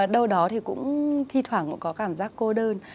đâu đó thì cũng thi thoảng cũng có cảm giác cô đơn